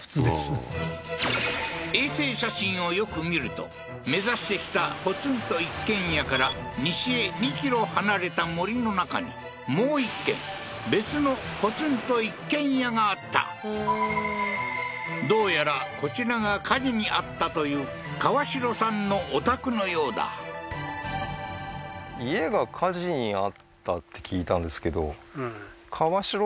うん衛星写真をよく見ると目指してきたポツンと一軒家から西へ２ｋｍ離れた森の中にもう１軒別のポツンと一軒家があったどうやらこちらが火事に遭ったというカワシロさんのお宅のようだあ